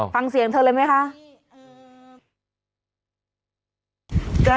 ฟังเสียงเธอเลยไหมคะ